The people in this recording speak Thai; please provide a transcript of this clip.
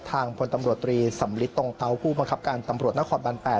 ทางพ้นตำรวจตรีสำริตตรงเงาผู้ปังครับกาลตำรวจหน้าคอนด์บาน๘